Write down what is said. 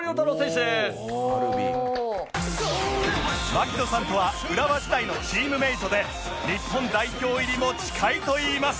槙野さんとは浦和時代のチームメートで日本代表入りも近いといいます